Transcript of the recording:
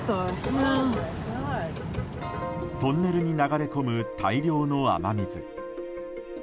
トンネルに流れ込む大量の雨水。